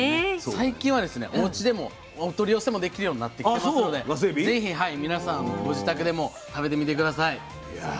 最近はおうちでもお取り寄せもできるようになってきてますのでぜひ皆さんご自宅でも食べてみて下さい。